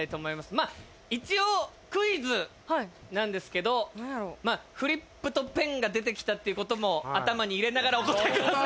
まあ一応クイズなんですけどまあフリップとペンが出てきたっていうことも頭に入れながらお答えください。